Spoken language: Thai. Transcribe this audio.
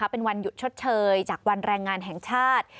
เป็นวันหยุดชดเชยจากวันแรงงานแห่งชาติ